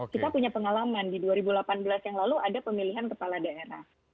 kita punya pengalaman di dua ribu delapan belas yang lalu ada pemilihan kepala daerah